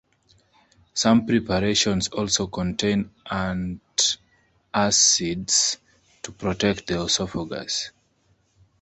Some preparations also contain antacids to protect the oesophagus.